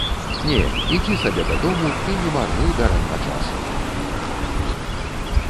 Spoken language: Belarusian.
Не, ідзі сабе дадому і не марнуй дарэмна часу.